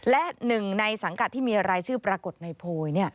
และหนึ่งในสังกัดที่มีรายชื่อปรากฏในโพย